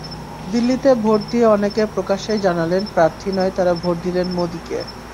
দিল্লিতে ভোট দিয়ে অনেকে প্রকাশ্যেই জানালেন, প্রার্থী নয়, তাঁরা ভোট দিলেন মোদিকে।